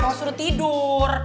mau suruh tidur